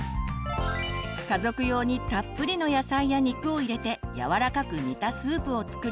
家族用にたっぷりの野菜や肉を入れてやわらかく煮たスープを作り